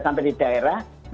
sampai di daerah